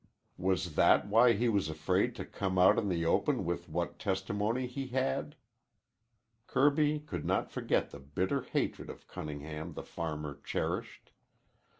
Was that why he was afraid to come out in the open with what testimony he had? Kirby could not forget the bitter hatred of Cunningham the farmer cherished.